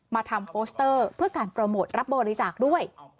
มาทำโปสเตอร์เพื่อการโปรโมทรับบริจาคด้วย